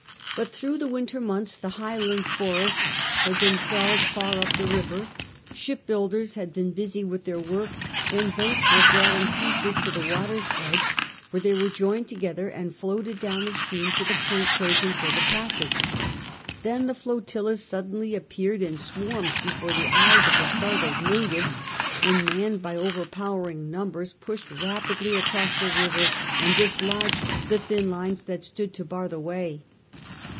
But through the winter months the highland forests had been felled far up the river ; shipbuilders had been busy with their work, and boats were brought in pieces to the water's edge, where they were joined to gether and floated down the stream to the point chosen for the passage. Then the flotillas suddenly appeared in swarms before the eyes of the startled natives, and manned by overpowering numbers, pushed rapidly across the river, and dislodged the thin lines that stood to bar ., the way.